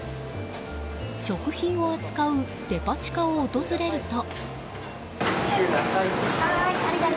食品を扱うデパ地下を訪れると。